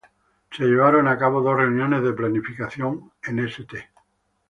Se llevaron a cabo dos reuniones de planificación en St.